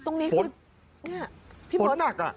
ตรงนี้ฝนหนักอ่ะ